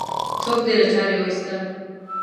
څوک دې له چارې وایستل؟